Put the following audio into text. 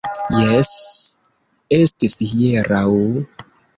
Jes... estis hieraŭ...